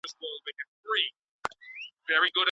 بریښنایی نسخه څه ګټه لري؟